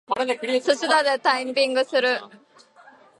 すしだでタイピングする。